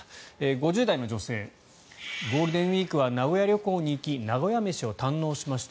５０代の女性ゴールデンウィークは名古屋旅行に行き名古屋飯を堪能しました。